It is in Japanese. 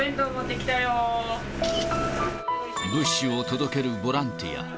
物資を届けるボランティア。